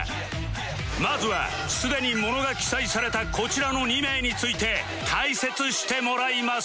まずはすでに物が記載されたこちらの２名について解説してもらいます